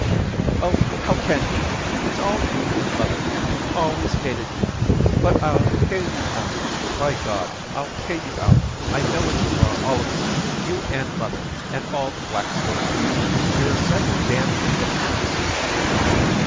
* Oh, how can you ! It's all you and mother. You've always hated me. But ril pay you out, by God ! I'll pay you out. I know what you are, all of you — you and mother, and all the. Blackstable people. YouVe a set of damned hypocrites.'